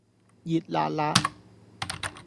熱辣辣